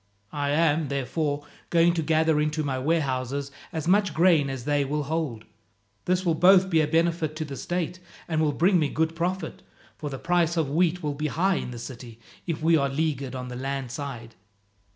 I am, therefore, going to gather into my warehouses as much grain as they will hold. This will both be a benefit to the state, and will bring me good profit, for the price of wheat will be high in the city if we are leaguered on the land side.